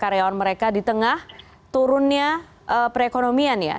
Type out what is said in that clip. karyawan mereka di tengah turunnya perekonomian ya